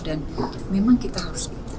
dan memang kita harus ikut